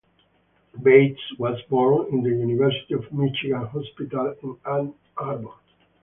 Bates was born in the University of Michigan hospital in Ann Arbor.